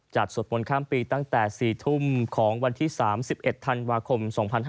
สวดมนต์ข้ามปีตั้งแต่๔ทุ่มของวันที่๓๑ธันวาคม๒๕๕๙